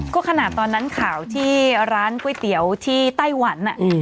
ก็ขนาดตอนนั้นข่าวที่ร้านก๋วยเตี๋ยวที่ไต้หวัน